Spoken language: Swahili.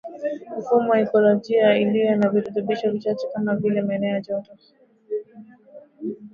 mifumo ya ikolojia iliyo na virutubishi vichache kama vile maeneo ya joto